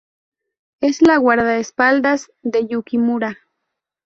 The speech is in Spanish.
Es la guardaespaldas de Yukimura.